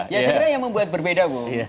ya sebenarnya yang membuat berbeda bu